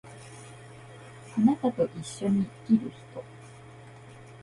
貴方と一緒に生きる人